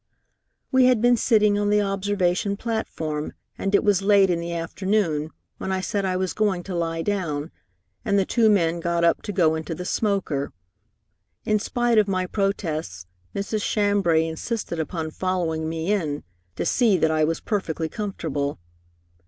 "We had been sitting on the observation platform, and it was late in the afternoon, when I said I was going to lie down, and the two men got up to go into the smoker. In spite of my protests, Mrs. Chambray insisted upon following me in, to see that I was perfectly comfortable.